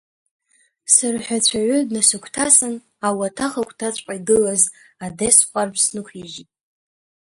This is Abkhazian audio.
Сырҳәацәаҩы днасыгәҭасын, ауаҭах агәҭаҵәҟьа игылаз адес ҟәардә снықәижьит.